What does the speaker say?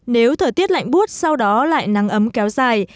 nếu thời tiết lạnh bút sau đó lại nắng ấm kéo dài